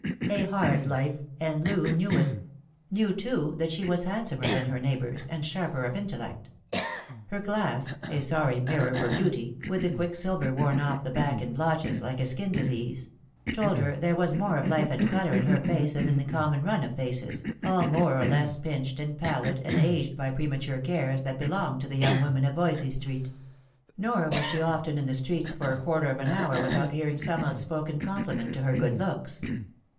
A hard life, and Loo knew it — knew, too, that she was hand somer than her neighbours, and sharper of intellect. Her glass — a sorry mirror for beauty, with the quicksilver worn off the 52 Lost for Love. back in blotches, like a skin disease — told her that there wag more of life and colour in her face than in the common run of faces, all more or less pinched and pallid and agfed by premature cares, that belonged to the young women of Voysey street. Nor was she often in the streets for a quarter of an hour with out hearing some outspoken compliment to her good looks.